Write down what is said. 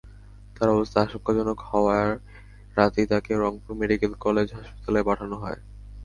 তাঁর অবস্থা আশঙ্কাজনক হওয়ায় রাতেই তাঁকে রংপুর মেডিকেল কলেজ হাসপাতালে পাঠানো হয়।